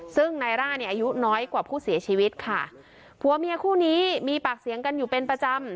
ซึ่งนายร่าเนี่ยอายุน้อยกว่าผู้เสียชีวิตค่ะผัวเมียคู่นี้มีปากเสียงกันอยู่เป็นประจำ